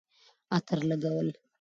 عطر لګول